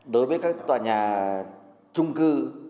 đối với các tòa nhà trung cư